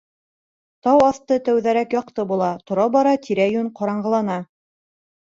Тау аҫты тәүҙәрәк яҡты була, тора-бара тирә-йүн ҡараңғылана.